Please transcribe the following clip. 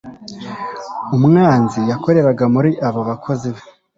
umwanzi yakoreraga muri abo bakozi be